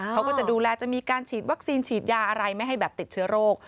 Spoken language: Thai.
เขาก็จะดูแลจะมีการฉีดวัคซีนฉีดยาอะไรไม่ให้แบบติดเชื้อโรค